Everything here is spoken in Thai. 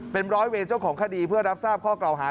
เป็นร้อยเวรเจ้าของคดีเพื่อรับทราบข้อกล่าวหา